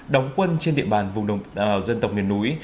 đóng quân trên địa bàn vùng đồng dân tộc miền núi